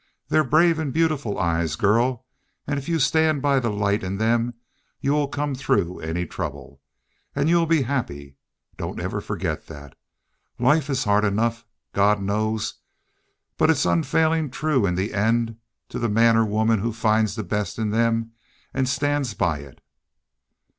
They're brave an' beautiful eyes, girl, an' if you stand by the light in them you will come through any trouble. An' you'll be happy. Don't ever forgit that. Life is hard enough, God knows, but it's unfailin' true in the end to the man or woman who finds the best in them an' stands by it."